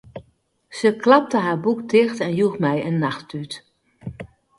Se klapte har boek ticht en joech my in nachttút.